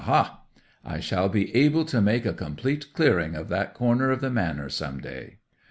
ha! I shall be able to make a complete clearing of that corner of the manor some day!"